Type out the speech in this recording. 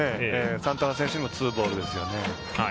サンタナ選手もツーボールですよね。